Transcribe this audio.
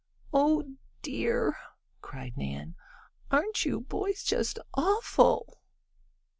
"Oh dear!" cried Nan, "aren't you boys just awful!"